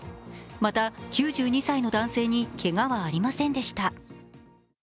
また、９２歳の男性にけがはありませんでした。